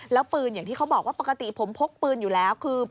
แล้วปืนอย่างที่เขาบอกว่าปกติผมพกปืนอยู่แล้วคือ